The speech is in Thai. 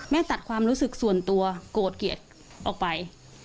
ตัดความรู้สึกส่วนตัวโกรธเกลียดออกไป